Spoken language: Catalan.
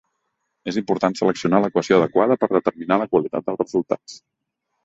És important seleccionar l'equació adequada per determinar la qualitat dels resultats.